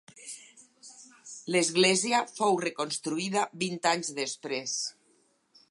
L'església fou reconstruïda vint anys després.